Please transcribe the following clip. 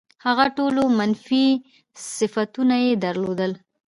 هغه ټول منفي صفتونه یې درلودل.